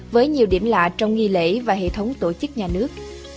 với nhiều điểm lạ trong nghi lễ và hệ thống tổ chức nhà nước